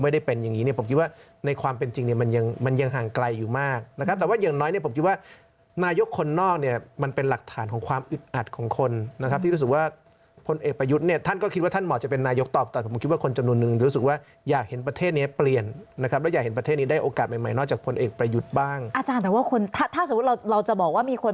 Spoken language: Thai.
มันยังมันยังห่างไกลอยู่มากนะครับแต่ว่าอย่างน้อยเนี่ยผมคิดว่านายกคนนอกเนี่ยมันเป็นหลักฐานของความอึดอัดของคนนะครับที่รู้สึกว่าผลเอกประยุทธ์เนี่ยท่านก็คิดว่าท่านเหมาะจะเป็นนายกต่อต่อผมคิดว่าคนจำนวนหนึ่งรู้สึกว่าอยากเห็นประเทศนี้เปลี่ยนนะครับแล้วอยากเห็นประเทศนี้ได้โอกาสใหม่นอกจาก